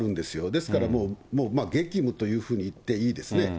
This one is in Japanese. ですからもう、激務というふうに言っていいですね。